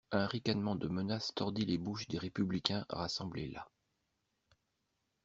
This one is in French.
Un ricanement de menace tordit les bouches des républicains rassemblés là.